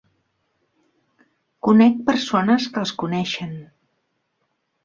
Conec persones que els coneixen.